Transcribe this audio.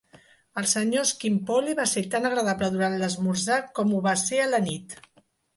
El senyor Skimpole va ser tan agradable durant l'esmorzar com ho va ser a la nit.